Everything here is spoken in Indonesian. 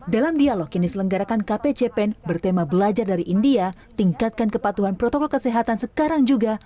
dalam dialog yang diselenggarakan kpcpen bertema belajar dari india tingkatkan kepatuhan protokol kesehatan sekarang juga